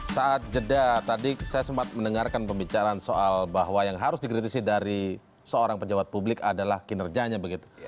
saat jeda tadi saya sempat mendengarkan pembicaraan soal bahwa yang harus dikritisi dari seorang pejabat publik adalah kinerjanya begitu